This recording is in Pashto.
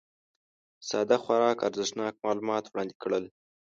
ساده خورا ارزښتناک معلومات وړاندي کړل